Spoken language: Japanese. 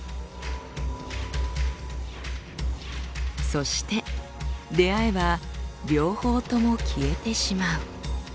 そして出会えば両方とも消えてしまう。